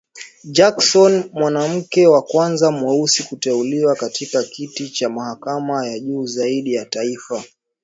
Jackson, mwanamke wa kwanza mweusi kuteuliwa katika kiti cha mahakama ya juu zaidi ya taifa